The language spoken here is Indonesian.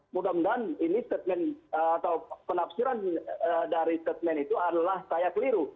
mudah mudahan ini statement atau penafsiran dari statement itu adalah saya keliru